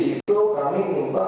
jadi disitu kami minta